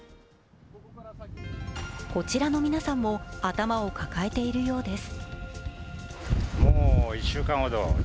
こちらの皆さんも、頭を抱えているようです。